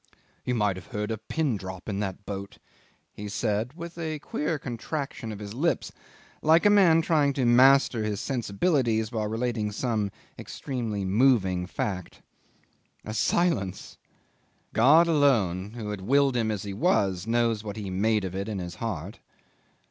"You might have heard a pin drop in the boat," he said with a queer contraction of his lips, like a man trying to master his sensibilities while relating some extremely moving fact. A silence! God alone, who had willed him as he was, knows what he made of it in his heart.